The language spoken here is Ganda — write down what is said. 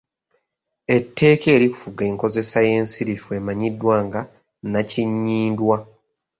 Etteeka erifuga enkozesa y’ensirifu emanyiddwa nga “nnakinnyindwa”.